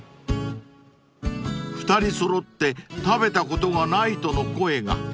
［２人揃って食べたことがないとの声が］